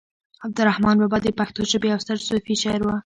عبد الرحمان بابا د پښتو ژبې يو ستر صوفي شاعر و